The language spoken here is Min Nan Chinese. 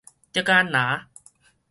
竹子籃